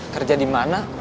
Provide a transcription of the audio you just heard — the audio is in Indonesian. kerja di mana